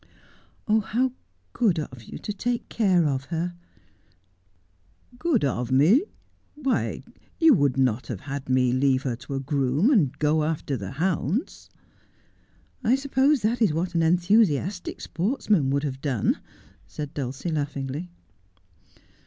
' How good of you to take care of her !'' Good of me ! Why, you would not have had me leave her to a groom, and go after the hounds !'' I suppose that is what an enthusiastic sportsman would have done,' said Dulcie laughingly.